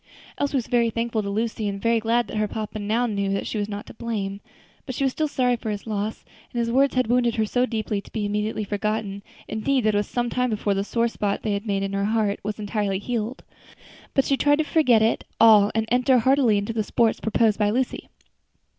Elsie was very thankful to Lucy, and very glad that her papa now knew that she was not to blame; but she was still sorry for his loss, and his words had wounded her too deeply to be immediately forgotten; indeed it was some time before the sore spot they had made in her heart was entirely healed. But she tried to forget it all and enter heartily into the sports proposed by Lucy.